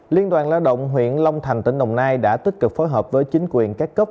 liên đoàn lao động huyện long thành tỉnh đồng nai đã tích cực phối hợp với chính quyền các cấp